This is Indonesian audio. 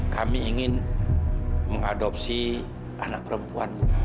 kami ingin mengadopsi anak perempuan